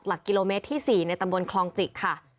หลักกิโลเมตรที่๔ในตำบลคลองจิกค่ะ